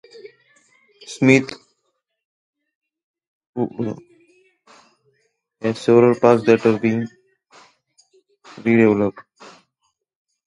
Smith's Wood also has several parks that are being redeveloped.